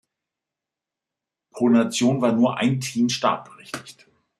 Pro Nation war nur ein Team startberechtigt.